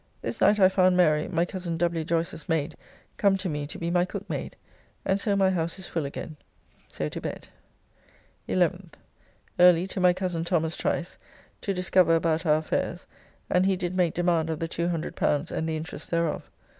This night I found Mary, my cozen W. Joyce's maid, come to me to be my cook maid, and so my house is full again. So to bed. 11th. Early to my cozen Thomas Trice to discourse about our affairs, and he did make demand of the L200 and the interest thereof.